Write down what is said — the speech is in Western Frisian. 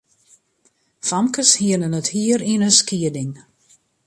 Famkes hiene it hier yn in skieding.